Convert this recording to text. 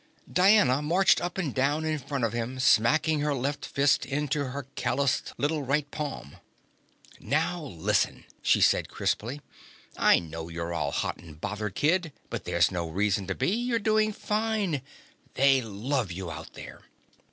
Diana marched up and down in front of him, smacking her left fist into her calloused little right palm. "Now listen," she said crisply. "I know you're all hot and bothered, kid, but there's no reason to be. You're doing fine. They love you out there."